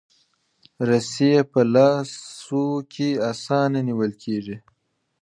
رسۍ په لاسو کې اسانه نیول کېږي.